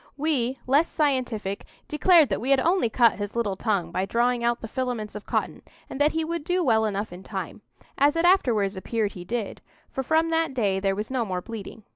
We, less scientific, declared that we had only cut his little tongue by drawing out the filaments of cotton, and that he would do well enough in time,—as it afterwards appeared he did, for from that day there was no more bleeding.